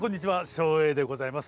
照英でございます。